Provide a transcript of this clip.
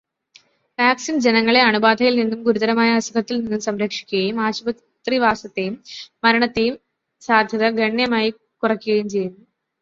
വാക്സിന് ജനങ്ങളെ അണുബാധയില് നിന്നും ഗുരുതരമായ അസുഖത്തില് നിന്നും സംരക്ഷിക്കുകയും ആശുപത്രിവാസത്തിയും മരണത്തിയും സാധ്യത ഗണ്യമായി കുറയ്ക്കുകയും ചെയ്യുന്നു.